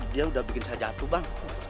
dia udah bikin saya jatuh bang